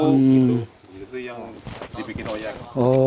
itu yang dibikin ohiak